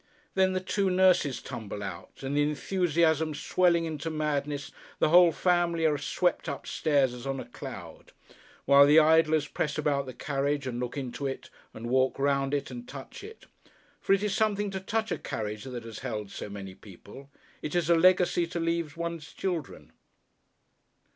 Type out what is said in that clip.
Then the two nurses tumble out; and the enthusiasm swelling into madness, the whole family are swept up stairs as on a cloud; while the idlers press about the carriage, and look into it, and walk round it, and touch it. For it is something to touch a carriage that has held so many people. It is a legacy to leave one's children.